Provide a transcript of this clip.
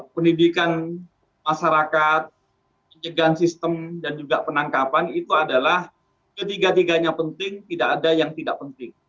pendidikan masyarakat pencegahan sistem dan juga penangkapan itu adalah ketiga tiganya penting tidak ada yang tidak penting